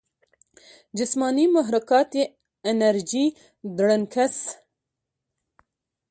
جسماني محرکات ئې انرجي ډرنکس ،